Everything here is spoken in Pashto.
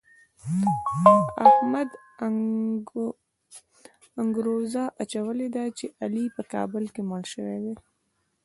احمد انګروزه اچولې ده چې علي په کابل کې مړ شوی دی.